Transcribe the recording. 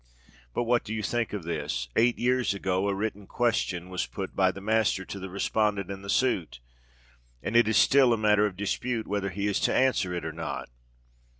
But what do you think of this? Eight years ago a written question was put by the Master to the respondent in the suit; and it is still a matter of dispute whether he is to answer it or not!